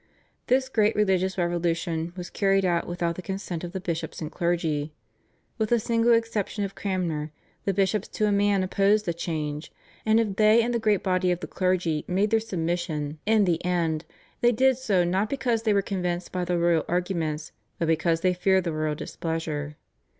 This great religious revolution was carried out without the consent of the bishops and clergy. With the single exception of Cranmer the bishops to a man opposed the change, and if they and the great body of the clergy made their submission in the end, they did so not because they were convinced by the royal arguments, but because they feared the royal displeasure.